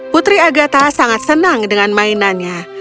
putri agatha sangat senang dengan mainannya